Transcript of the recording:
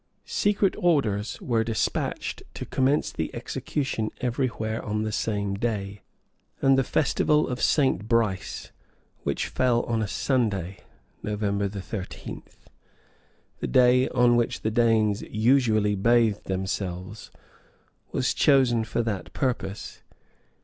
}Secret orders were despatched to commence the execution every where on the same day, and the festival of St. Brice, which fell on a Sunday, [November 13,] the day on which the Danes usually bathed themselves, was chosen for that purpose.